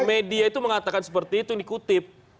media itu mengatakan seperti itu yang dikutip